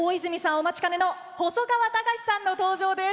お待ちかねの細川たかしさんの登場です！